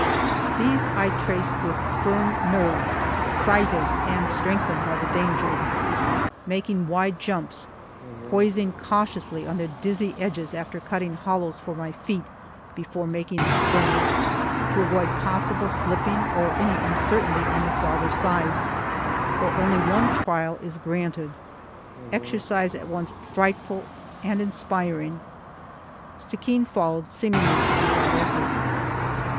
These I traced with firm nerve, excited and strengthened by the danger, making wide jumps, poising cautiously on their dizzy edges after cutting hollows for my feet before making the spring, to avoid possible slipping or any uncertainty on the farther sides, where only one trial is granted—exercise at once frightful and inspiring. Stickeen followed seemingly without effort.